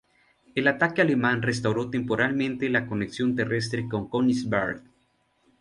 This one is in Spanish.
El ataque alemán restauró temporalmente la conexión terrestre con Königsberg.